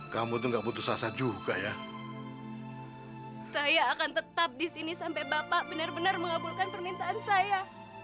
sampai jumpa di video selanjutnya